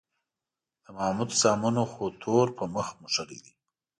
د محمود زامنو خو تور په مخ موښلی دی